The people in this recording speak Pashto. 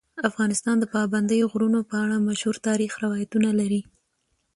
افغانستان د پابندي غرونو په اړه مشهور تاریخی روایتونه لري.